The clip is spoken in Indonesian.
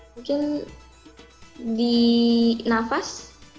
mungkin di nafas